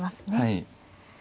はい。